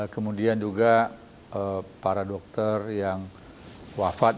kemudian juga para dokter yang wafat